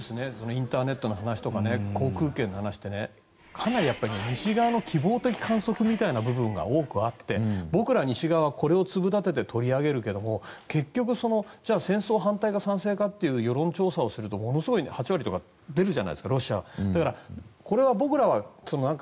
インターネットの話とか航空券の話ってかなり西側の希望的観測みたいな部分が多くあって僕ら西側はこれを粒立てて取り上げるけれど結局、じゃあ戦争反対か賛成かっていう世論調査をすると、ものすごく８割とか出るじゃないですか。